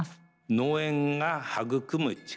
農園が育む力。